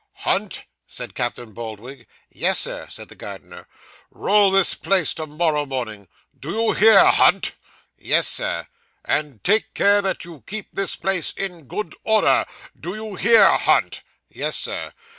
'Hunt,' said Captain Boldwig. 'Yes, Sir,' said the gardener. 'Roll this place to morrow morning do you hear, Hunt?' 'Yes, Sir.' 'And take care that you keep this place in good order do you hear, Hunt?' 'Yes, Sir.